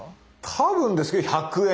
多分ですけど１００円。